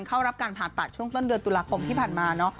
เข้ารับการผ่าตัดช่วงต้นเดือนตุลาคมที่ผ่านมาเนอะ